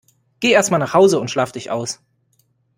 Geh erst mal nach Hause und schlaf dich aus!